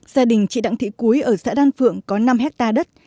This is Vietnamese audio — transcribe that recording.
gia đình chị đặng thị cúi ở xã đan phượng có năm hectare đất